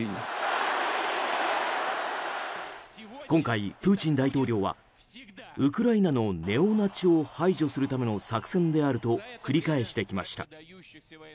今回、プーチン大統領はウクライナのネオナチを排除するための作戦であると繰り返してきました。